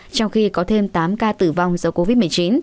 trong khi có thêm tám ca tử vong do covid một mươi chín